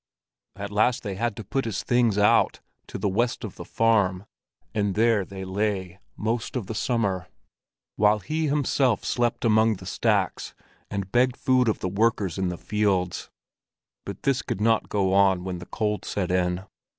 At last they had to put his things out, to the west of the farm; and there they lay most of the summer, while he himself slept among the stacks, and begged food of the workers in the fields. But this could not go on when the cold set in.